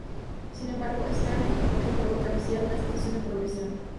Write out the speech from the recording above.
Sin embargo, Starkey notó que el juego carecía de una sensación de progresión.